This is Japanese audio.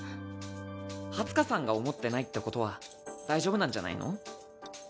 ハツカさんが思ってないってことは大丈夫なんじゃないの？